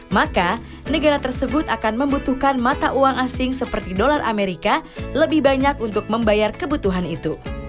maka negara tersebut akan membutuhkan mata uang asing seperti dolar amerika lebih banyak untuk membayar kebutuhan itu